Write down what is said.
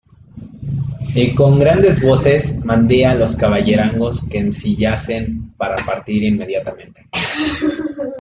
y con grandes voces mandé a los caballerangos que ensillasen para partir inmediatamente.